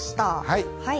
はい。